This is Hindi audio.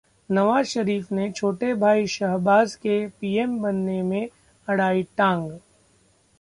नवाज शरीफ ने छोटे भाई शहबाज के पीएम बनने में अड़ाई टांग!